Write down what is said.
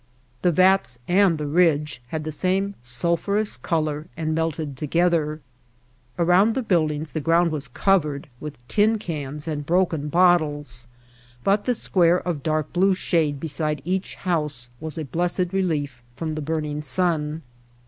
The vats and the ridge had the same sulphurous color, and melted together. Around the buildings the ground was covered with tin cans and broken bottles, but the square of dark blue shade beside each house was a blessed relief from the burn ing sun.